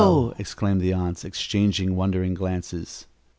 exclaimed the aunts, exchanging wondering glances.